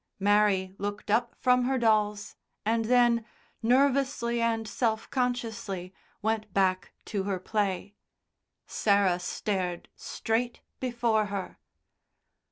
Mary looked up from her dolls, and then, nervously and self consciously, went back to her play. Sarah stared straight before her.